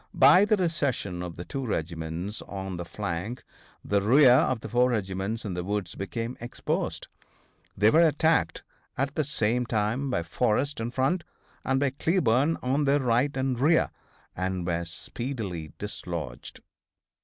By the recession of the two regiments on the flank the rear of the four regiments in the woods became exposed. They were attacked at the same time by Forrest in front, and by Cleburne on their right and rear, and were speedily dislodged.